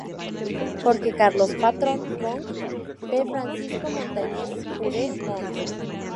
Jorge Carlos Patrón Wong, P. Francisco Montañez Jure, Mons.